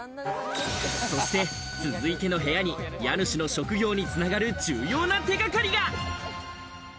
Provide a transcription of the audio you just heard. そして続いての部屋に家主の職業に繋がる重要な手掛かりが。